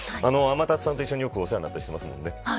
天達さんと一緒にお世話になってますもんね。